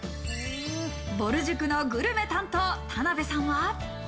ぼる塾のグルメ担当・田辺さんは。